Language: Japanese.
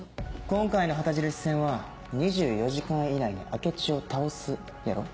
今回の旗印戦は「２４時間以内に明智を倒す」やろ？